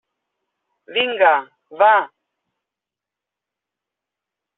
Vinga, va!